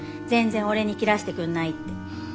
全然俺に切らしてくんないって。